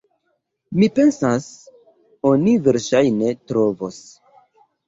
Mi pensas, oni verŝajne trovos.